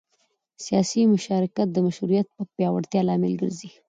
سیاسي مشارکت د مشروعیت د پیاوړتیا لامل ګرځي